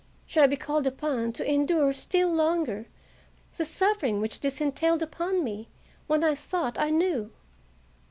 Should I be called upon to endure still longer the suffering which this entailed upon me, when I thought I knew?